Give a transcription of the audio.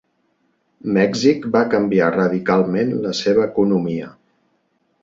Mèxic va canviar radicalment la seva economia.